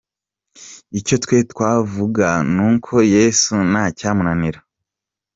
Icyo twe twavuga nuko Yesu ntacyamunanira.